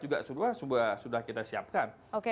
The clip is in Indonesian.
juga sudah kita siapkan